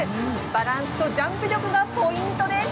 バランスとジャンプ力がポイントです。